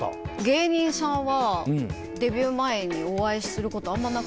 芸人さんはデビュー前にお会いすることあんまなくて。